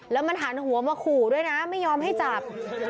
แล้วมันหันหัวมาขู่ด้วยนะไม่ยอมให้จับ